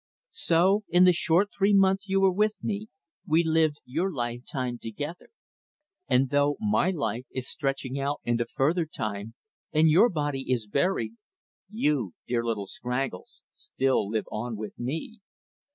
So in the short three months you were with me we lived your lifetime together; and though my life is stretching out into further time, and your body is buried, you, dear little Scraggles, still live on with me.